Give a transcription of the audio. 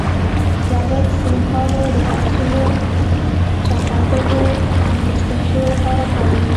لرګي د ځینو ګاڼو د بکسونو، چوکاټونو، او دستکشیو لپاره کارېږي.